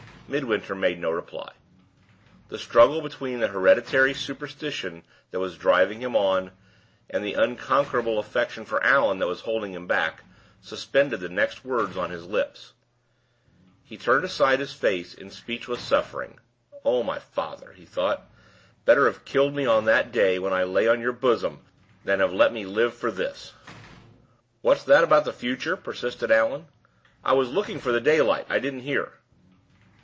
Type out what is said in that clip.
Midwinter made no reply. The struggle between the hereditary superstition that was driving him on, and the unconquerable affection for Allan that was holding him back, suspended the next words on his lips. He turned aside his face in speechless suffering. "Oh, my father!" he thought, "better have killed me on that day when I lay on your bosom, than have let me live for this." "What's that about the future?" persisted Allan. "I was looking for the daylight; I didn't hear."